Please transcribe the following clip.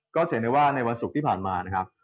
จะเห็นได้ว่าในวันศุกร์ที่ผ่านมานะครับ